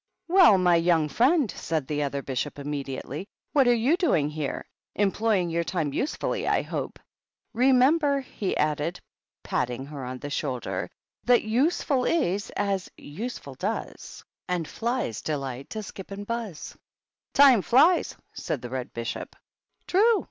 "Well, my young friend," said the other Bishop immediately, "what are you doing here? Employing your time usefully, I hope ? Remem ber," he added, patting her on the shoulder, —" That useful is as useful does, And flies delight to skip and huzz,^^ I 14* 162 THE BISHOPS. " Time flies /" said the Red Bishop. "True!